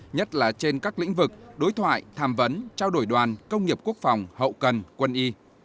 nhất là trên các lĩnh vực đối thoại tham vấn trao đổi đoàn công nghiệp quốc phòng hậu cần quân y